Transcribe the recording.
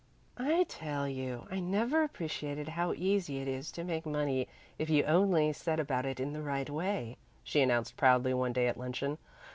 "I tell you, I never appreciated how easy it is to make money if you only set about it in the right way," she announced proudly one day at luncheon.